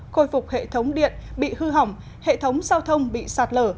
khôi phục hệ thống điện bị hư hỏng hệ thống giao thông bị sạt lở